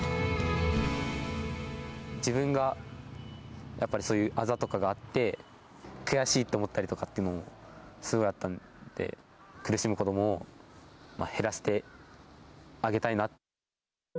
自分が、やっぱりそういうあざとかがあって、悔しいと思ったりとかっていうのもすごいあったんで、苦しむ子どもを減らしてあげたいな。